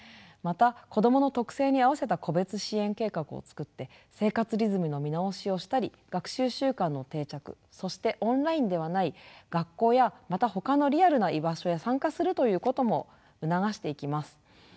また子どもの特性に合わせた個別支援計画をつくって生活リズムの見直しをしたり学習習慣の定着そしてオンラインではない学校やまたほかのリアルな居場所へ参加するということも促していきます。